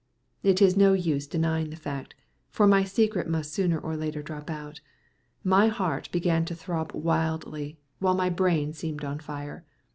It is no use denying the fact, for my secret must sooner or later drop out. My heart began to throb wildly, while my brain seemed on fire.